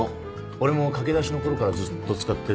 俺も駆け出しの頃からずっと使ってるメーカーだ。